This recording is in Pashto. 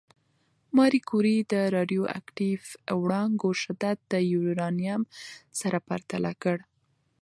ماري کوري د راډیواکټیف وړانګو شدت د یورانیم سره پرتله کړ.